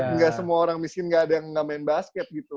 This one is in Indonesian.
dan ga semua orang miskin ga ada yang ga main basket gitu